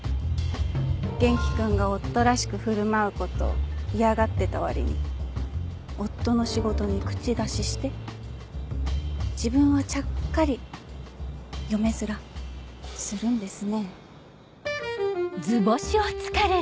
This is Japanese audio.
元気君が夫らしく振る舞うこと嫌がってた割に夫の仕事に口出しして自分はちゃっかり嫁ヅラするんですね。